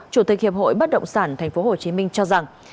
chủ tịch hiệp hội bất động sản tp hcm cho rằng